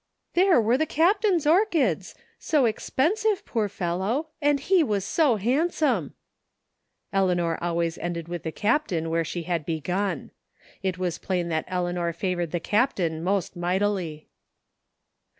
" There were the Captain's orchids — ^so expensive, poor fellow — and he was so handsome !*' Eleanor always ended with the Captain where she had begun. 208 THE FINDING OP JASPER HOLT It was plain that Eleanor favored the Captain most mightily.